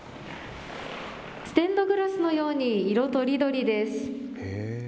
ステンドグラスのように、色とりどりです。